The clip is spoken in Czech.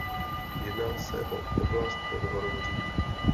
Jedná se o oblast pod horou Říp.